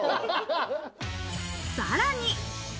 さらに。